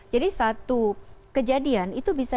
jadi satu kejadian itu bisa